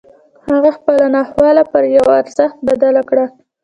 هغه خپله ناخواله پر يوه ارزښت بدله کړه.